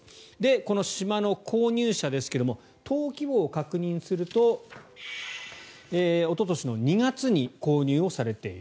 この島の購入者ですが登記簿を確認するとおととしの２月に購入をされている。